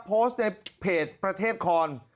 โพสต์ในเพจประเทศคอน